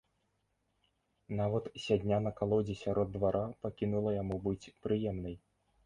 Нават сядня на калодзе сярод двара пакінула яму быць прыемнай.